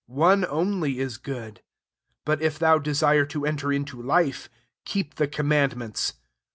One oniy i& good* But ^ thou desire to enter into life, keep the commandments.